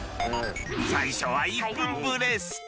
最初は１分ブレスト。